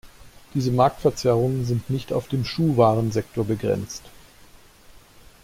Diese Marktverzerrungen sind nicht auf den Schuhwarensektor begrenzt.